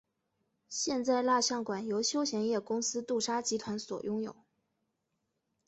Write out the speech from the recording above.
现在蜡像馆由休闲业公司杜莎集团所拥有。